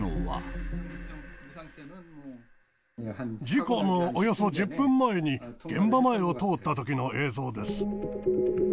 事故のおよそ１０分前に、現場前を通ったときの映像です。